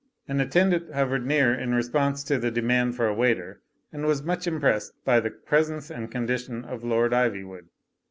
An attendant hovered near in response to the de mand for a waiter, and was much impressed by the presence and condition of Lord Ivywood.